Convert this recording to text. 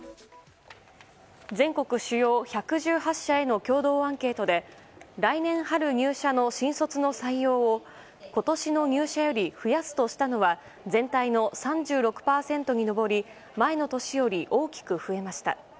全国主要１１８社への共同アンケートで来年春入社の新卒の採用を今年の入社より増やすとしたのは全体の３６％に上り前の年より大きく増えました。